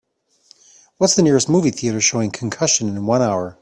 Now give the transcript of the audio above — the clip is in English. what's the nearest movie theatre showing Concussion in one hour